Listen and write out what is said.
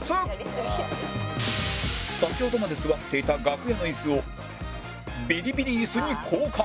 先ほどまで座っていた楽屋の椅子をビリビリ椅子に交換